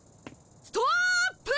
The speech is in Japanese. ストップ！